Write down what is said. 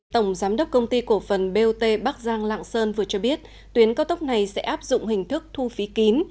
tổng giám đốc công ty cổ phần bot bắc giang lạng sơn vừa cho biết tuyến cao tốc này sẽ áp dụng hình thức thu phí kín